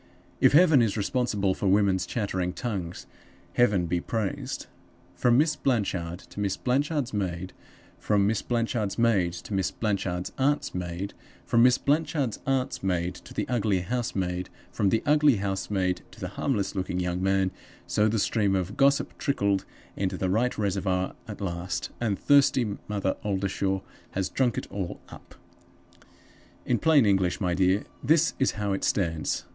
If Heaven is responsible for women's chattering tongues, Heaven be praised! From Miss Blanchard to Miss Blanchard's maid; from Miss Blanchard's maid to Miss Blanchard's aunt's maid; from Miss Blanchard's aunt's maid, to the ugly housemaid; from the ugly housemaid to the harmless looking young man so the stream of gossip trickled into the right reservoir at last, and thirsty Mother Oldershaw has drunk it all up. "In plain English, my dear, this is how it stands.